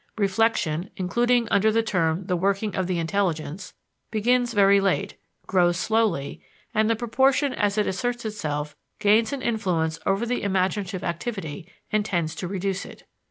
Reflection including under the term the working of the intelligence begins very late, grows slowly, and the proportion as it asserts itself, gains an influence over the imaginative activity and tends to reduce it.